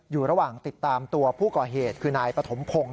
อยู่ระหว่างติดตามตัวผู้ก่อเหตุคือนายปฐมพงศ์